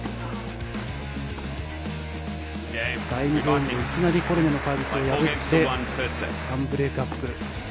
第２ゲーム、いきなりコルネのサービスを破って１ブレークアップ。